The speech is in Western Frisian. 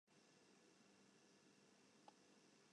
Hy sil der ek wol net moaier op wurden wêze.